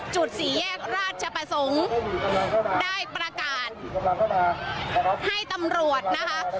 จุดสี่แยกราชประสงค์ได้ประกาศให้ตำรวจนะคะ